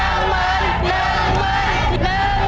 น้ำมันน้ำมันน้ำมัน